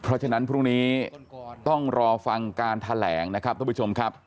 เพราะฉะนั้นพรุ่งนี้ต้องรอฟังการแถลงนะครับทุกผู้ชมครับ